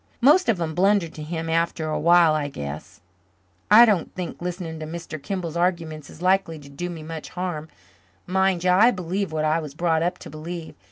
Most of 'em blunder to Him after a while I guess. I don't think listening to Mr. Kimball's arguments is likely to do me much harm. Mind you, I believe what I was brought up to believe.